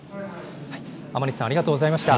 甘利さん、ありがとうございました。